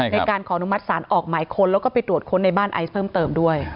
ในการขอนุมัติศาลออกหมายค้นแล้วก็ไปตรวจค้นในบ้านไอซ์เพิ่มเติมด้วย